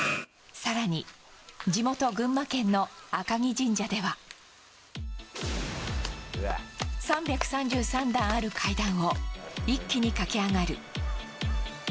更に地元・群馬県の赤城神社では３３３段ある階段を一気に駆け上がる。